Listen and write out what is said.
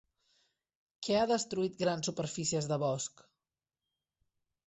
Què ha destruït grans superfícies de bosc?